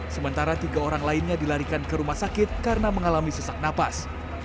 sementara tiga orang lainnya dilarikan ke rumah sakit karena mengalami sesak napas